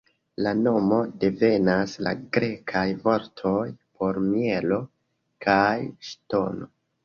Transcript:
La nomo devenas la grekaj vortoj por mielo kaj ŝtono.